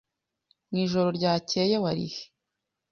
Mwijoro ryakeye warihe?